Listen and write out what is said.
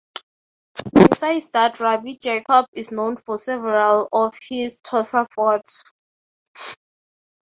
Besides that Rabbi Jacob is known for several of his tosafot.